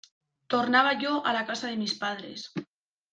Tornaba yo a la casa de mis padres.